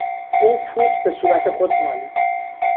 او پودر به صورت خود مالید.